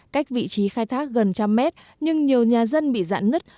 cách vị trí khai thác gần trăm mét nhưng nhiều nhà dân bị giãn nứt